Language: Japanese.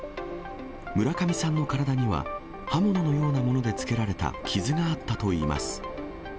村上さんの体には刃物のようなものでつけられた傷があったといいます。